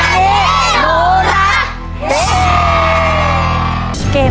เกมต่อชีวิตวันนี้ขอมอบโอกาสให้กับครอบครัวที่ใหญ่ขึ้น